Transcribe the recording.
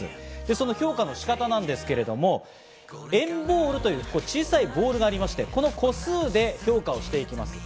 その評価の仕方なんですけれども、＆ＢＡＬＬという小さいボールがありまして、この個数で評価をしていきます。